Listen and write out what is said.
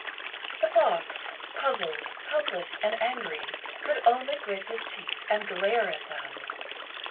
The fox, puzzled, helpless and angry, could only grit his teeth and glare at them.